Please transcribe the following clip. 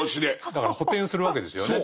だから補填するわけですよね。